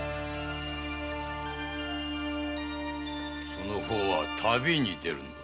その方は旅に出るのだ。